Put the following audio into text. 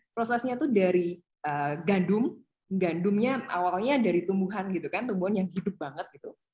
prosesnya itu dari gandum gandumnya awalnya dari tumbuhan gitu kan tumbuhan yang hidup banget gitu